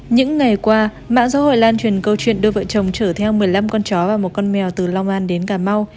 những ngày qua mạng xã hội lan truyền câu chuyện đôi vợ chồng chở theo một mươi năm con chó và một con mèo từ long an đến cà mau